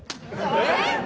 えっ？